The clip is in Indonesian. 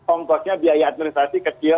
ongkosnya biaya administrasi kecil